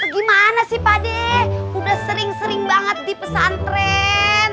gimana sih pakde udah sering sering banget dipesantren